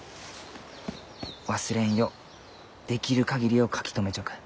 忘れんようできる限りを書き留めちょく。